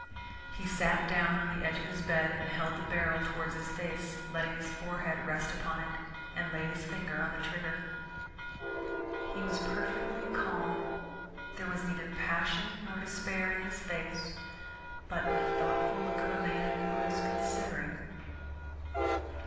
He sat down on the edge of his bed and held the barrel towards his face, letting his forehead rest upon it, and laid his finger on the trigger. He was perfectly calm, there was neither passion nor despair in his face, but the thoughtful look of a man who is considering.